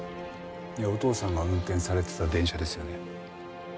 いやお父さんが運転されてた電車ですよね。